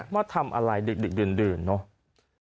ว่าทำอะไรเด็กเดือนเนาะ